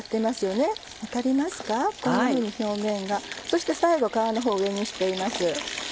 そして最後皮のほうを上にしています。